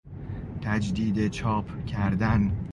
تجدید چاپ کردن